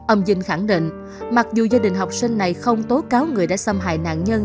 ông vinh khẳng định mặc dù gia đình học sinh này không tố cáo người đã xâm hại nạn nhân